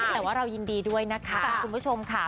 แต่ว่าเรายินดีด้วยนะคะคุณผู้ชมค่ะ